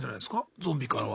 ゾンビからは。